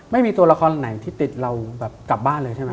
ไม่มีตัวละครไหนที่ติดเราแบบกลับบ้านเลยใช่ไหม